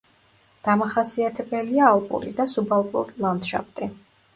დამახასიათებელია ალპური და სუბალპური ლანდშაფტი.